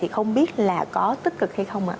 không biết là có tích cực hay không ạ